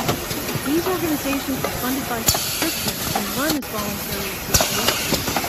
These organizations were funded by subscription and run as voluntary associations.